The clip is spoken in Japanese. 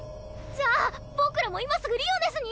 じゃあ僕らも今すぐリオネスに？